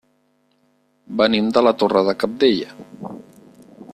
Venim de la Torre de Cabdella.